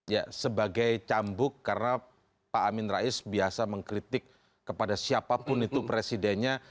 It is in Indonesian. ya sebagai cambuk karena pak amin rais biasa mengkritik kepada siapapun itu presidennya